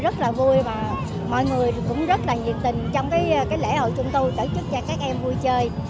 rất là vui và mọi người cũng rất là nhiệt tình trong cái lễ hội chúng tôi tổ chức cho các em vui chơi